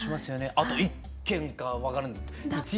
あと１県か分からない